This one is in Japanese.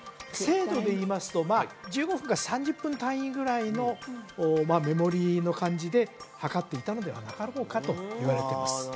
精度でいいますとまあ１５分か３０分単位ぐらいのまあメモリーの感じで計っていたのではなかろうかといわれてます